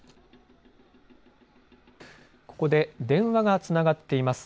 ここで電話がつながっています。